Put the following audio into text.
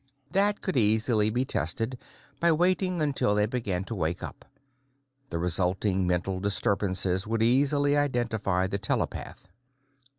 That could easily be tested by waiting until they began to wake up; the resulting mental disturbances would easily identify the telepath.